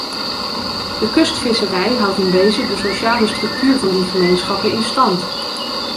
De kustvisserij houdt in wezen de sociale structuur van die gemeenschappen in stand.